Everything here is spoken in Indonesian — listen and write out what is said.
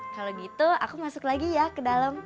kalau gitu aku masuk lagi ya ke dalam